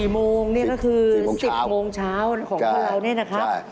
๔โมงนี่ก็คือ๑๐โมงเช้าของเราเนี่ยนะครับ